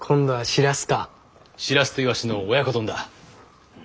しらすといわしの親子丼だ。